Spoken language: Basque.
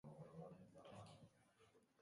Hau da bere sorkuntza bakarra, dakigunez.